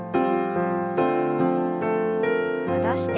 戻して。